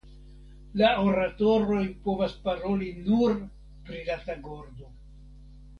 La oratoroj povas paroli nur pri la tagordo.